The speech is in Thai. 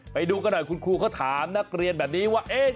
ไปดูกันหน่อยคุณครูเขาถามนักเรียนแบบนี้ว่า